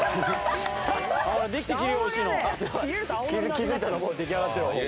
気づいたら出来上がってるわもう。